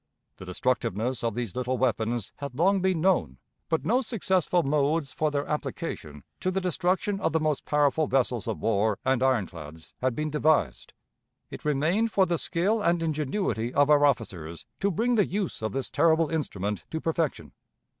The destructiveness of these little weapons had long been known, but no successful modes for their application to the destruction of the most powerful vessels of war and ironclads had been devised. It remained for the skill and ingenuity of our officers to bring the use of this terrible instrument to perfection.